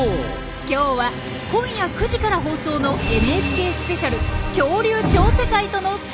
今日は今夜９時から放送の「ＮＨＫスペシャル恐竜超世界」とのスペシャルコラボ！